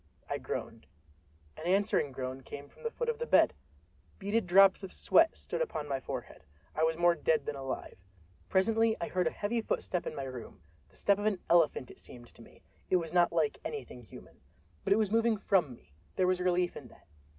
I groaned. An answering groan came from the foot of the bed! Beaded drops of sweat stood upon my forehead. I was more dead than alive. Presently I heard a heavy footstep in my room—the step of an elephant, it seemed to me—it was not like anything human. But it was moving from me—there was relief in that.